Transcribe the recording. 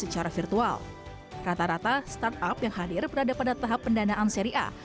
kata kata startup yang hadir berada pada tahap pendanaan seri a